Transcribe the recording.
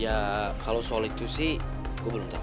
ya kalo soal itu sih gue belum tau